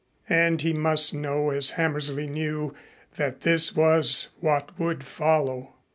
And he must know as Hammersley knew that this was what would follow.